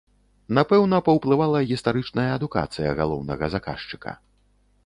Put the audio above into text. Напэўна, паўплывала гістарычная адукацыя галоўнага заказчыка.